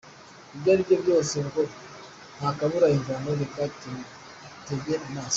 Ibyo aribyo byose ngo ntakabura imvano reka tubitege amaso